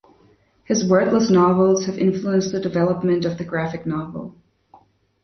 His wordless novels have influenced the development of the graphic novel.